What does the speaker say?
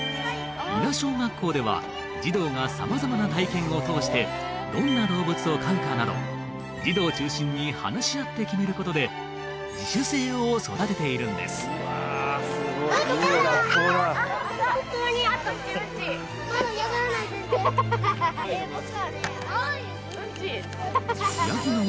伊那小学校では児童がさまざまな体験を通してどんな動物を飼うかなど児童を中心に話し合って決めることで嫌がらない全然。